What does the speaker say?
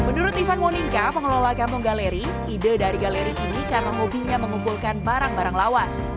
menurut ivan monika pengelola kampung galeri ide dari galeri ini karena hobinya mengumpulkan barang barang lawas